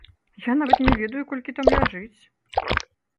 Я нават не ведаю, колькі там ляжыць!